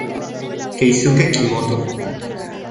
Keisuke Kimoto